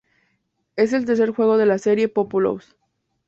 Es el tercer juego de la serie "Populous".